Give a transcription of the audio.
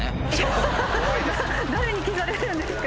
誰に消されるんですか。